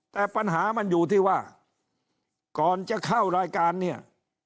แต่ปัญหามันอยู่ที่ว่าก่อนจะเข้ารายการเนี่ย